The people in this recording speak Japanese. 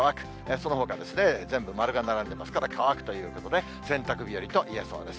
そのほか全部丸が並んでますから、乾くということで、洗濯日和といえそうです。